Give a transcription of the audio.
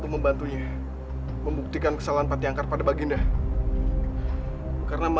tolong jalu kenapa kau menekat sekali menantang raja karis